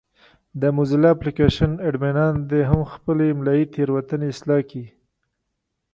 د موزیلا اپلېکشن اډمینان دې هم خپلې املایي تېروتنې اصلاح کړي.